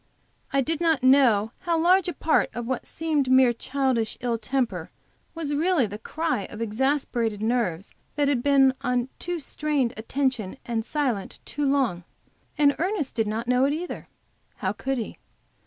I did not know how large a part of what seemed mere childish ill temper was really the cry of exasperated nerves, that had been on too strained a tension, and silent too long, and Ernest did not know it either. How could he?